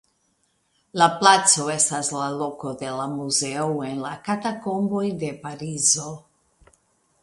La placo estas la loko de la muzeo de la Katakomboj de Parizo.